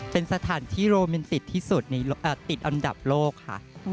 เป็นสถานที่โรแมนติกที่สุดติดอันดับโลกค่ะ